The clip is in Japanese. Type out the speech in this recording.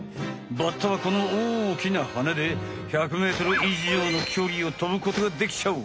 バッタはこの大きなハネで１００メートル以上のきょりを飛ぶことができちゃう。